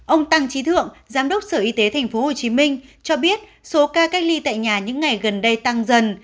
ông tăng trí thượng giám đốc sở y tế tp hcm cho biết số ca cách ly tại nhà những ngày gần đây tăng dần